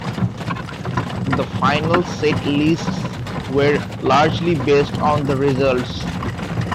The final set lists were largely based on the results.